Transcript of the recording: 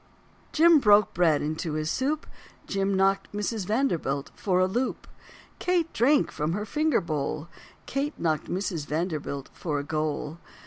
Jim broke bread into his soup, Jim knocked Mrs. Vanderbilt for a loop. Kate drank from her finger bowl, Kate knocked Mrs. Vanderbilt for a goal.